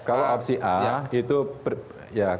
kalau opsi a itu ya